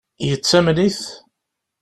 Yettamen-it?